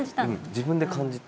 自分で感じて。